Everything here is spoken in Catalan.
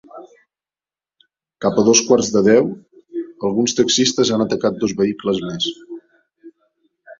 Cap a dos quarts de deu, alguns taxistes han atacat dos vehicles més.